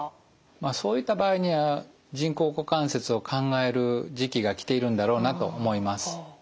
まあそういった場合には人工股関節を考える時期が来ているんだろうなと思います。